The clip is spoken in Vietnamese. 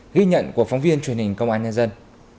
ghi nhận của phóng viên truyền hình công an nhân dân